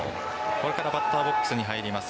これからバッターボックスに入ります